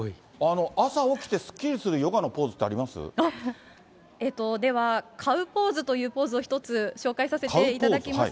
朝起きてすっきりするヨガのでは、カウポーズというポーズを一つ紹介させていただきます。